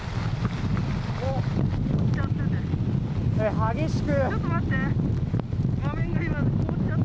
激しく。